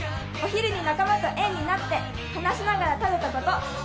お昼に仲間と円になって、話ながら食べたこと。